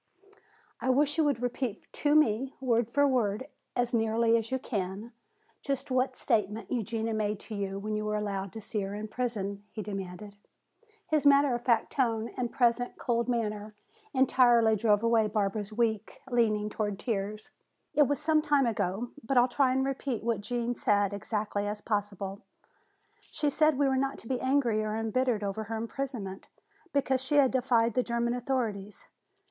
"I wish you would repeat to me, word for word, as nearly as you can, just what statement Eugenia made to you when you were allowed to see her in prison," he demanded. His matter of fact tone and present cold manner entirely drove away Barbara's weak leaning toward tears. "It was some time ago, but I'll try and repeat what Gene said exactly as possible. She said we were not to be angry or embittered over her imprisonment, because she had defied the German authorities.